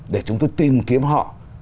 để chúng tôi tìm kiếm họ